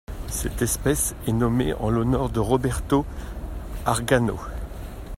Cette espèce est nommée en l'honneur de Roberto Argano.